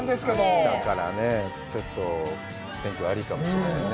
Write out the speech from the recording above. あしたからね、ちょっと天気が悪いかもしれないね。